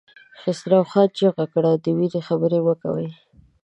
خسرو خان چيغه کړه! د وېرې خبرې مه کوئ!